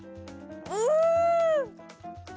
うん。